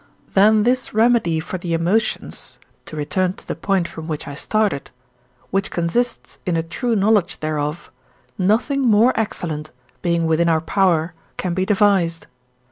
Than this remedy for the emotions (to return to the point from which I started), which consists in a true knowledge thereof, nothing more excellent, being within our power, can be devised.